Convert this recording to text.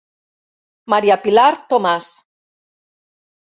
Maria Pilar Tomàs.